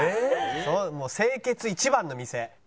清潔一番の店。